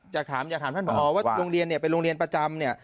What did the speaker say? อยากถามอยากถามท่านผอว่าโรงเรียนเนี่ยเป็นโรงเรียนประจำเนี่ย